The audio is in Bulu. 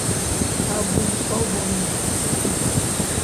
Abui nkôbo o ne medjo.